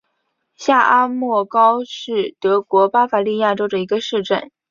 下阿默高是德国巴伐利亚州的一个市镇。